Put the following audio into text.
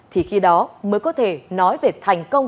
thì khi đó mới có thể nói về thành công